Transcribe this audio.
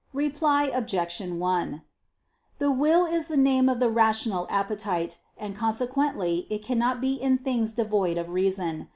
Reply Obj. 1: The will is the name of the rational appetite; and consequently it cannot be in things devoid of reason.